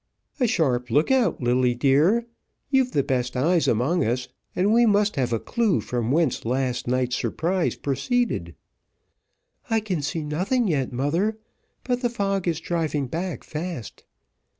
"A sharp look out, Lilly, dear; you've the best eyes among us, and we must have a clue from whence last night's surprise proceeded." "I can see nothing yet, mother; but the fog is driving back fast."